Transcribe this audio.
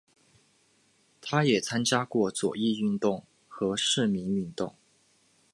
他也参加过左翼运动和市民运动。